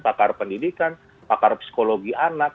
pakar pendidikan pakar psikologi anak